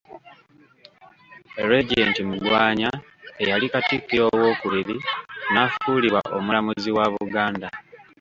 Regent Mugwanya eyali Katikkiro ow'okubiri, n'afuulibwa Omulamuzi wa Buganda.